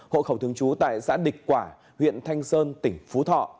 hộ khẩu thường trú tại xã địch quả huyện thanh sơn tỉnh phú thọ